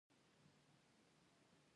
یوه غلطي د بې غوره ډیزاین کوونکو ده.